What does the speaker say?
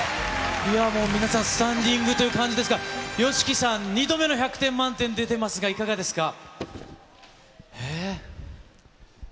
いやもう、皆さん、スタンディングという感じですが、ＹＯＳＨＩＫＩさん、２度目の１００点満点出てますが、いかがですか。